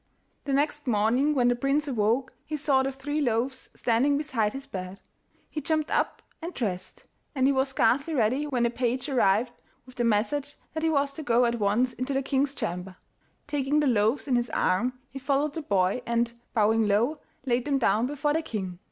The next morning when the prince awoke he saw the three loaves standing beside his bed. He jumped up and dressed, and he was scarcely ready when a page arrived with the message that he was to go at once into the king's chamber. Taking the loaves in his arm he followed the boy, and, bowing low, laid them down before the king.